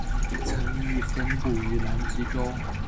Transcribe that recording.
亦曾分布于南极洲。